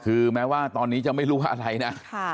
คือแม้ว่าตอนนี้จะไม่รู้ว่าอะไรนะ